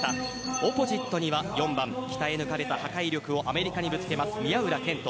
オポジットには４番鍛え抜かれた破壊力をアメリカにぶつける宮浦健人。